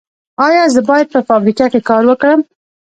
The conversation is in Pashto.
ایا زه باید په فابریکه کې کار وکړم؟